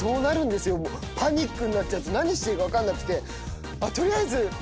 パニックになっちゃうと何していいか分かんなくて。